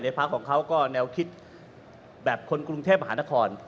พักของเขาก็แนวคิดแบบคนกรุงเทพมหานคร